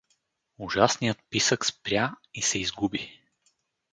Ужасният писък спря и се изгуби.